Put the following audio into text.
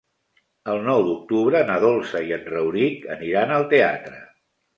El nou d'octubre na Dolça i en Rauric aniran al teatre.